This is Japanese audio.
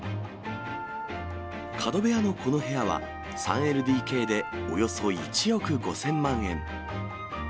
角部屋のこの部屋は、３ＬＤＫでおよそ１億５０００万円。